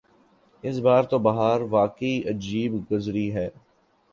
اس بار تو بہار واقعی عجیب گزری ہے۔